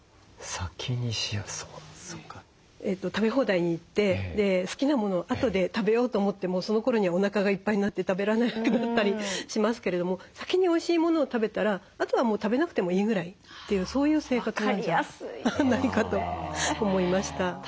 食べ放題に行って好きなものをあとで食べようと思ってもそのころにはおなかがいっぱいになって食べられなくなったりしますけれども先においしいものを食べたらあとはもう食べなくてもいいぐらいっていうそういう生活なんじゃないかと思いました。